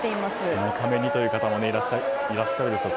このためにという方もいらっしゃるでしょう。